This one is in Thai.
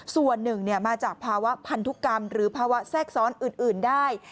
ส่วนหนึ่งมาจากภาวะพันธุกรรมหรือภาวะแทรกซ้อนอื่นได้